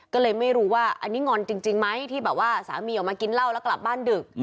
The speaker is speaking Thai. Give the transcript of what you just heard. ก็เลยไม่รู้ว่าอันนี้งอนจริงไหมที่แบบว่าสามีออกมากินเหล้าแล้วกลับบ้านดึก